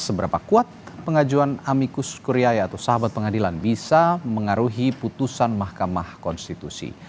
seberapa kuat pengajuan amikus kuryaya atau sahabat pengadilan bisa mengaruhi putusan mahkamah konstitusi